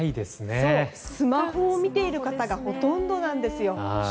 スマホを見ている人がほとんどなんですよ。